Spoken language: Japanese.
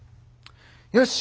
よし！